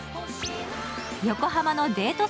横浜のデート